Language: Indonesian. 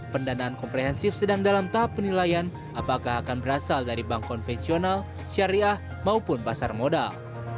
pendanaan komprehensif sedang dalam tahap penilaian apakah akan berasal dari bank konvensional syariah maupun pasar modal